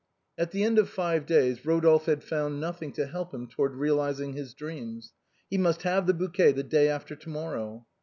At the end of five days, Rodolphe had found nothing to help him toward realizing his dream. He must have the bouquet the day after to morrow.